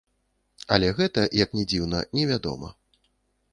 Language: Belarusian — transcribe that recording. Але гэта, як ні дзіўна, невядома.